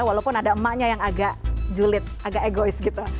walaupun ada emaknya yang agak julid agak egois gitu